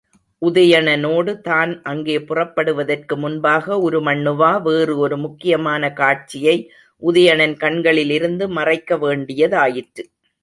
உதயணனோடு தான் அங்கே புறப்படுவதற்கு முன்பாக, உருமண்ணுவா வேறு ஒரு முக்கியமான காட்சியை உதயணன் கண்களிலிருந்து மறைக்க வேண்டியதாயிற்று.